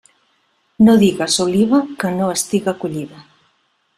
No digues oliva que no estiga collida-.